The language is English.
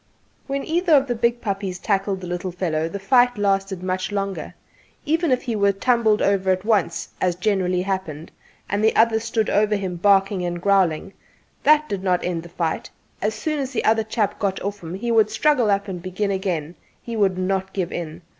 When either of the big puppies tackled the little fellow the fight lasted much longer. Even if he were tumbled over at once as generally happened and the other one stood over him barking and growling, that did not end the fight: as soon as the other chap got off him he would struggle up and begin again; he would not give in.